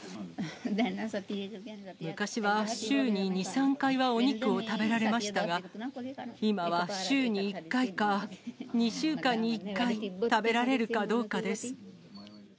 昔は、週に２、３回はお肉を食べられましたが、今は週に１回か、２週間に１回、食べられるかどうかです。